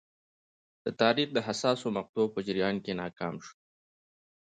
د تاریخ د حساسو مقطعو په جریان کې ناکام شول.